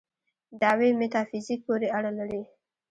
دعوې میتافیزیک پورې اړه لري.